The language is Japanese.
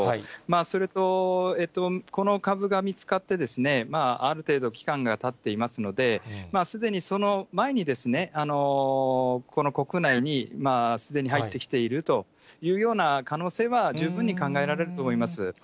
それと、この株が見つかって、ある程度、期間がたっていますので、すでにその前に、この国内にすでに入ってきているというような可能性は十分に考えられると思います。